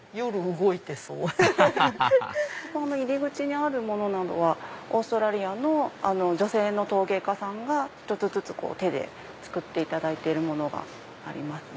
アハハハ入り口のものはオーストラリアの女性の陶芸家さんが１つずつ手で作っているものがあります。